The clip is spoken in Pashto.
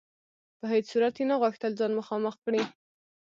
په هیڅ صورت یې نه غوښتل ځان مخامخ کړي.